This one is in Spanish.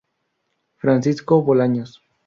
Francisco Bolaños.